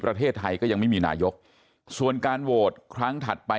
ประเทศไทยก็ยังไม่มีนายกส่วนการโหวตครั้งถัดไป